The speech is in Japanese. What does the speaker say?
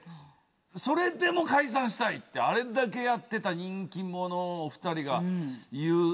それでも解散したいってあれだけやってた人気者２人が言う。